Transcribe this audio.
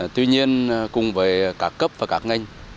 tuy nhiên cùng với các cấp và các ngành